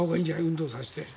運動させて。